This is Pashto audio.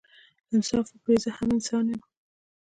انصاف وکړئ زه هم انسان يم